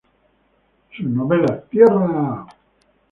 Sus novelas "¡Tierra!